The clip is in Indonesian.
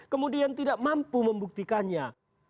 kemudian tidak mampu membuktikannya